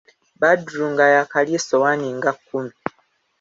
Badru nga yaakalya essowaani nga kkumi.